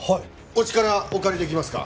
お力お借りできますか？